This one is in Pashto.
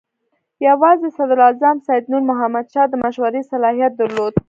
یوازې صدراعظم سید نور محمد شاه د مشورې صلاحیت درلود.